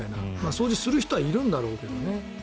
掃除する人はいるんだろうけどね。